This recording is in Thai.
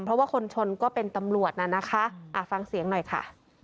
เพราะว่าคนชนก็เป็นตำรวจน่ะนะคะฟังเสียงหน่อยค่ะ